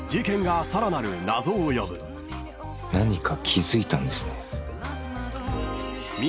「何か気付いたんですね」